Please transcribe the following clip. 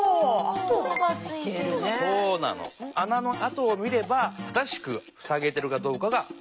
あなのあとを見れば正しくふさげてるかどうかが分かるんだな。